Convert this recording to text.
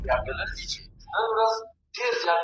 سياسي پرېکړې په اسانۍ سره نه پلي کېږي.